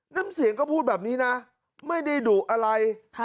น้ำเสียงก็พูดแบบนี้นะไม่ได้ดุอะไร